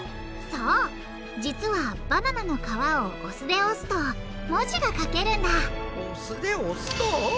そう実はバナナの皮をお酢で押すと文字が書けるんだお酢で押すと？